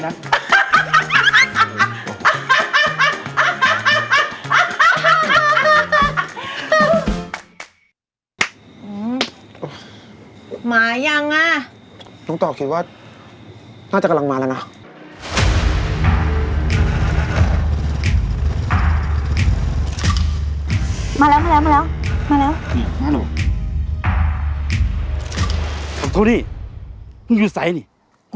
มันแถวนี้แน่นะหนูนิส